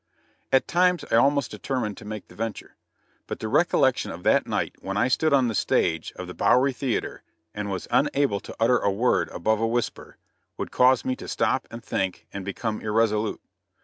At times I almost determined to make the venture; but the recollection of that night when I stood on the stage of the Bowery Theatre and was unable to utter a word above a whisper, would cause me to stop and think and become irresolute.